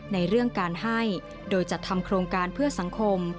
ในเรื่องการให้โดยจัดทำโครงการเพื่อสังคม